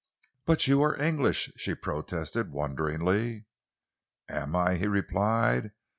"But you are English?" she protested wonderingly. "Am I?" he replied.